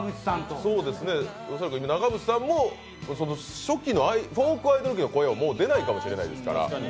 恐らく長渕さんもフォークアイドル期の声はもう出ないかもしれないですから。